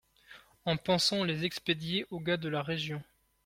En pensant les expédier aux gars de la Région.